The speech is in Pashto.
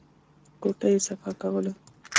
کوټه يې صفا کوله.